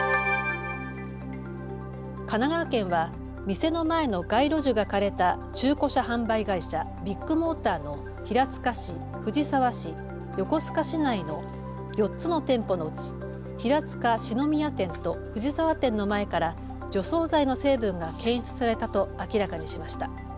神奈川県は店の前の街路樹が枯れた中古車販売会社、ビッグモーターの平塚市、藤沢市、横須賀市内の４つの店舗のうち平塚四之宮店と藤沢店の前から除草剤の成分が検出されたと明らかにしました。